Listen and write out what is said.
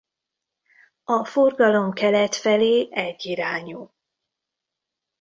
A forgalom kelet felé egyirányú.